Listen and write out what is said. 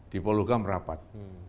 di polulukam rapat